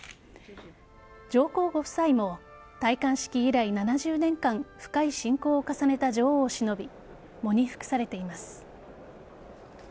上皇ご夫妻も戴冠式以来７０年間深い親交を重ねた女王をしのび喪に服されています。